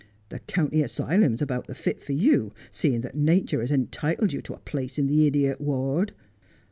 ' The county asylum's about the fit for you, seeing that natur has entitled you to a place in the idiot ward.'